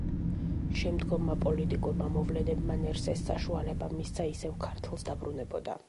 შემდგომმა პოლიტიკურმა მოვლენებმა ნერსეს საშუალება მისცა ისევ ქართლს დაბრუნებოდა.